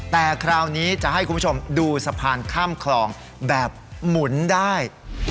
แต่คราวนี้จะให้คุณผู้ชมดูสะพานข้ามคลองแบบหมุนได้